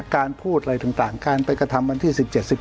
การพูดอะไรต่างการไปกระทำวันที่๑๗๑